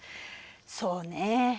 そうね。